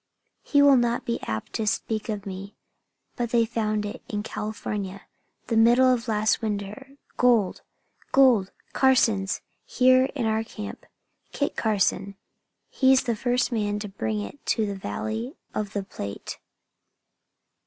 He'll not be apt to speak of me. But they found it, in California, the middle of last winter gold! Gold! Carson's here in our camp Kit Carson. He's the first man to bring it to the Valley of the Platte.